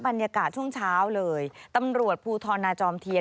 บรรยากาศช่วงเช้าเลยตำรวจภูทรนาจอมเทียน